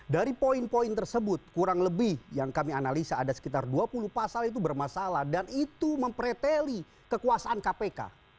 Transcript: dari poin poin tersebut kurang lebih yang kami analisa ada sekitar dua puluh pasal itu bermasalah dan itu mempreteli kekuasaan kpk